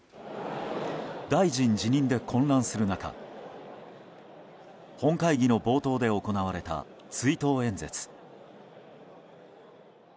大臣辞任で混乱する中本会議の冒頭で行われた追悼演説。